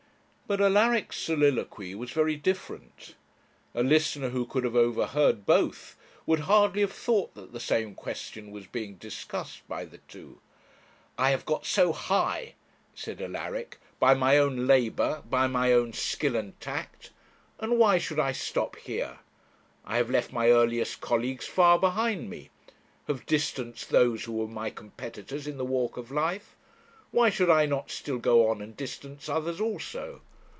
But Alaric's soliloquy was very different. A listener who could have overheard both would hardly have thought that the same question was being discussed by the two. 'I have got so high,' said Alaric, 'by my own labour, by my own skill and tact; and why should I stop here? I have left my earliest colleagues far behind me; have distanced those who were my competitors in the walk of life; why should I not still go on and distance others also?